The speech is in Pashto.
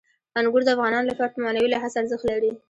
انګور د افغانانو لپاره په معنوي لحاظ ارزښت لري.